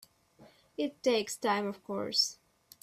It takes time of course.